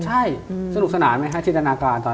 ใช่สนุกสนานไหมฮะตอนนั้น